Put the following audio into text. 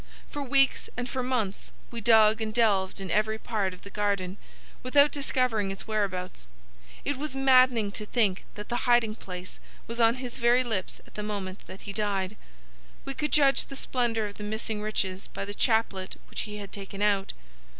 For weeks and for months we dug and delved in every part of the garden, without discovering its whereabouts. It was maddening to think that the hiding place was on his very lips at the moment that he died. We could judge the splendour of the missing riches by the chaplet which he had taken out.